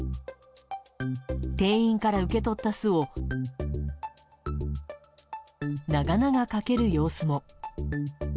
店員から受け取った酢を長々かける様子も。